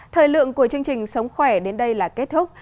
thời lượng của chương trình sống khỏe đến đây là kết thúc